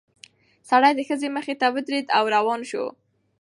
سړی د ښځې مخې ته ودرېد او روان شول.